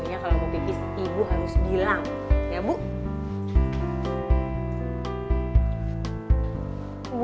ya kalau begitu ibu harus bilang ya bu